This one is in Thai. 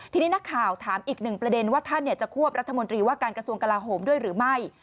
ทีนี้นักข่าวถามอีกหนึ่งประเด็นว่าท่านจะควบรัฐมนตรีว่าการกระทรวงกลาโหมด้วยหรือไม่